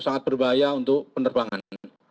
sangat berbahaya untuk penerbangan